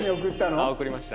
はい送りました。